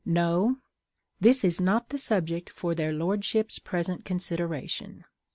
No, "This is not the subject for their lordships' present consideration."